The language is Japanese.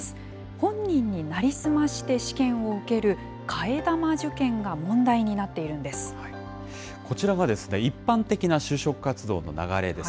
本人に成り済まして試験を受ける替え玉受験が問題になっているんこちらは一般的な就職活動の流れです。